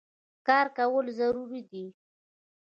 کار کول ضروري دی.